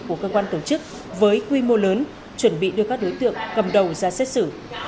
của cơ quan tổ chức với quy mô lớn chuẩn bị đưa các đối tượng cầm đầu ra xét xử